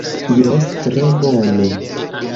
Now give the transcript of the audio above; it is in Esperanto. Jes tre bone!